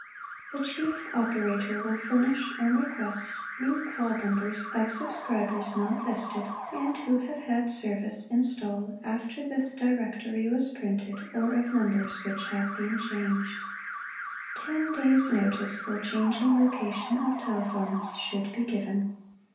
The Chief Operator will Furnish on request, new call numbers of subscribers not listed, and who have had service installed after this Directory was printed or of numbers which have been changed. Ten Days' Notice for Changing location of telephones should be given.